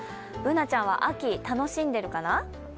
Ｂｏｏｎａちゃんは秋、楽しんでるかな？